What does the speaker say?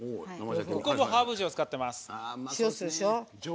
ここもハーブ塩使ってます。